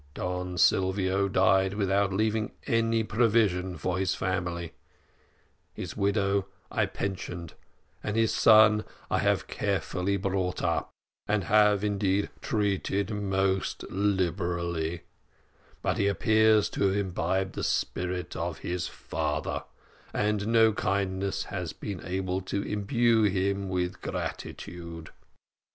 Don Silvio died without leaving any provision for his family; his widow I pensioned, and his son I have had carefully brought up, and have indeed treated most liberally, but he appears to have imbibed the spirit of his father, and no kindness has been able to imbue him with gratitude.